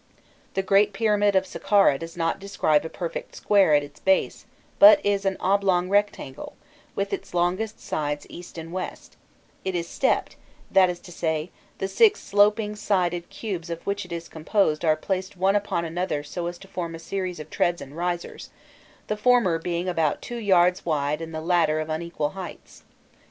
The great pyramid of Saqqâra does not describe a perfect square at its base, but is an oblong rectangle, with its longest sides east and west; it is stepped that is to say, the six sloping sided cubes of which it is composed are placed upon one another so as to form a series of treads and risers, the former being about two yards wide and the latter of unequal heights.